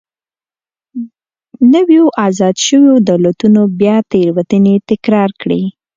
نویو ازاد شویو دولتونو بیا تېروتنې تکرار کړې.